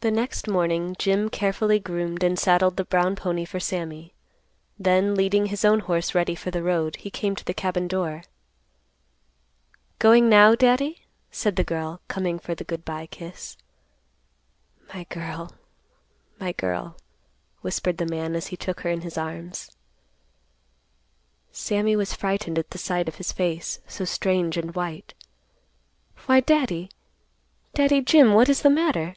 The next morning Jim carefully groomed and saddled the brown pony for Sammy, then, leading his own horse ready for the road, he came to the cabin door. "Going now, Daddy?" said the girl, coming for the good by kiss. "My girl, my girl," whispered the man, as he took her in his arms. Sammy was frightened at the sight of his face, so strange and white. "Why Daddy, Daddy Jim, what is the matter?"